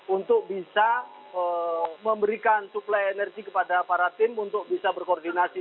untuk bisa memberikan suplai energi kepada para tim untuk bisa berkoordinasi